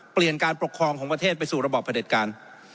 เปลี่ยนการปกครองของประเทศไปสู่ระบบประเด็นการ